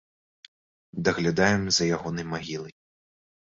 Даглядаем за ягонай магілай.